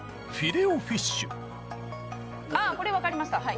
フィレオフィッシュあっこれ分かりました